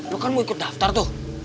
lo kan mau ikut daftar tuh